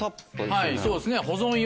はいそうですね。